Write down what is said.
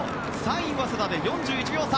３位、早稲田で４１秒差